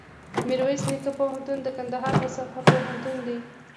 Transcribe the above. میرویس نیکه پوهنتون دکندهار په سطحه پوهنتون دی